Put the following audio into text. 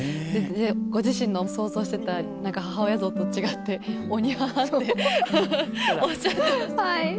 ご自身の想像してた母親像と違って鬼母っておっしゃってましたけど。